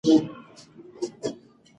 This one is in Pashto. هغه سړی چې خیرات یې وکړ، پېژندل شوی و.